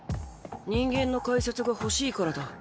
人間の解説が欲しいからだ。